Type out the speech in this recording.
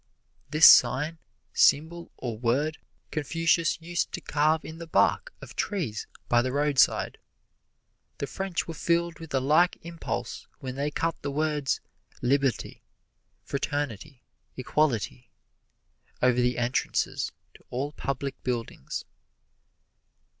This sign, symbol or word Confucius used to carve in the bark of trees by the roadside. The French were filled with a like impulse when they cut the words Liberty, Fraternity, Equality, over the entrances to all public buildings.